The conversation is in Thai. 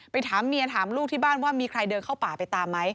ถามเมียถามลูกที่บ้านว่ามีใครเดินเข้าป่าไปตามไหม